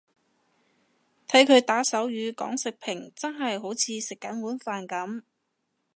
睇佢打手語講食評真係好似食緊碗飯噉